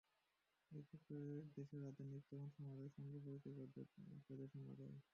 এতে করে দেশের আধুনিক তরুণ সমাজের সঙ্গে পরিচয় ঘটবে বেদে সম্প্রদায়ের।